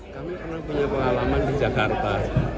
kami pernah punya pengalaman di jakarta